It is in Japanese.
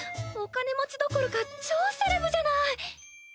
お金持ちどころか超セレブじゃない。